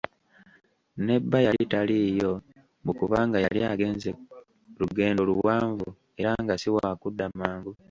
Ne bba yali taliiyo mbu kubanga yali agenze lugendo luwanvu era nga si wakudda mangu.